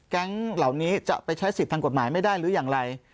แก๊งเหล่านี้จะไปใช้สิทธิ์ทางกฎหมายไม่ได้หรืออย่างไร